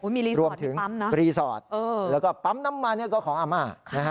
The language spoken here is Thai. มีรีสอร์ทมีปั๊มนะรีสอร์ทแล้วก็ปั๊มน้ำมันก็ของอาม่า